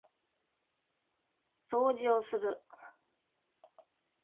掃除をする